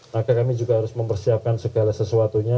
maka kami juga harus mempersiapkan segala sesuatunya